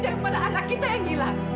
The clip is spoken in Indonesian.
daripada anak kita yang hilang